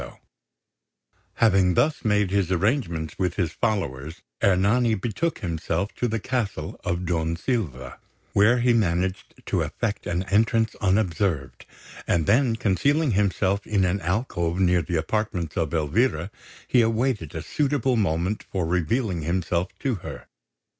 [Illustration: VERDI] Having thus made his arrangements with his followers, Ernani betook himself to the castle of Don Silva, where he managed to effect an entrance unobserved; and then concealing himself in an alcove near the apartments of Elvira, he awaited a suitable moment for revealing himself to her.